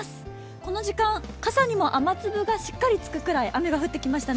この時間、傘にも雨粒がしっかりつくくらい雨が降ってきましたね。